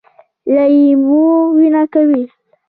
لۍ مو وینه کوي؟